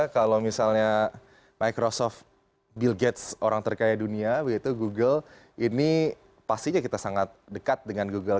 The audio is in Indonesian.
kalau misalnya microsoft bill gates orang terkaya dunia begitu google ini pastinya kita sangat dekat dengan google